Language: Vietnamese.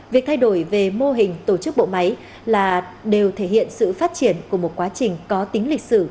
việc thay đổi về mô hình tổ chức bộ máy là đều thể hiện sự phát triển của một quá trình có tính lịch sử